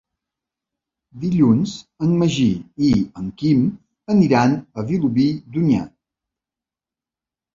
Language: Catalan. Dilluns en Magí i en Quim aniran a Vilobí d'Onyar.